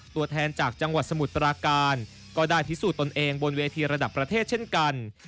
ตัวแทนจากจังหวัดสมุทรปราการก็ได้พิสูจน์ตนเองบนเวทีระดับประเทศเช่นกัน